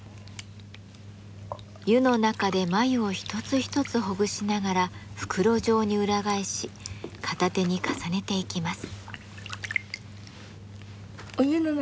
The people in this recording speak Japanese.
湯の中で繭を一つ一つほぐしながら袋状に裏返し片手に重ねていきます。